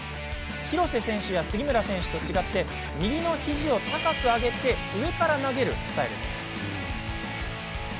廣瀬選手や杉村選手と違って右のひじを高く上げて上から投げるスタイルです。